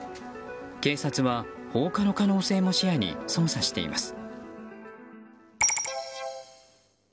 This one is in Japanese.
警察は放火の可能性も視野に捜査しています。